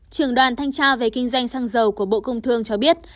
trường đoàn thanh tra về kinh doanh xăng dầu của bộ công thương cho biết